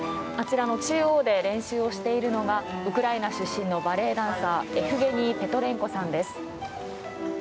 あちらの中央で練習をしているのがウクライナ出身のバレエダンサーエフゲニー・ペトレンコさんです。